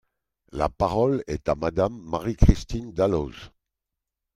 La parole est à Madame Marie-Christine Dalloz.